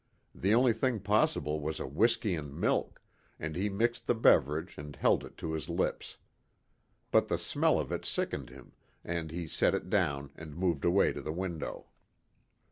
The only thing possible was a whiskey and milk, and he mixed the beverage and held it to his lips. But the smell of it sickened him, and he set it down and moved away to the window.